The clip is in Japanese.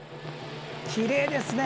きれいですね。